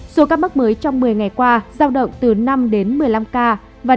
số ca mắc mới trong một mươi ngày qua giao động từ năm đến một mươi năm ca